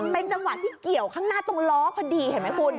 เป็นจังหวะที่เกี่ยวข้างหน้าตรงล้อพอดีเห็นไหมคุณ